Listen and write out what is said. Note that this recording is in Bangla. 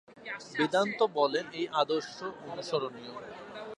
বেদান্ত বলেন, এই আদর্শ অনুসরণীয়।